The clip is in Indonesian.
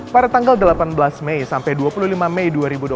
pada tanggal delapan belas mei sampai dua puluh lima mei dua ribu dua puluh